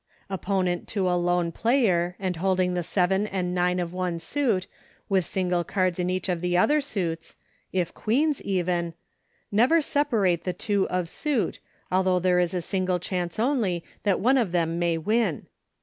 Opponent to a Lone Player, and holding the seven and nine of one suit, with single cards in each of the other suits — if Queens even — never separate the two of suit although there is a single chance only that one of them may win.